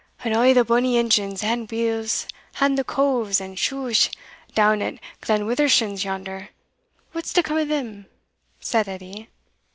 "And a' the bonny engines, and wheels, and the coves, and sheughs, doun at Glenwithershins yonder, what's to come o' them?" said Edie.